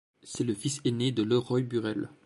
C'est le fils ainé de Leroy Burrell.